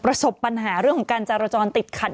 ประสบปัญหาเรื่องของการจารจรติดขัด